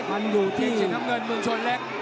เกณฑ์สีธ้ำเงินเมืองชนเล็ก